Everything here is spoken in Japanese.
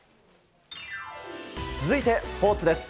続いて、スポーツです。